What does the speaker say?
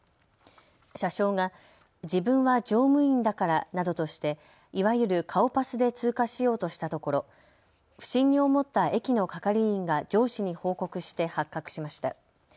車掌が自分は乗務員だからなどとして、いわゆる顔パスで通過しようとしたところ不審に思った駅の係員が上司に報告して発覚しました。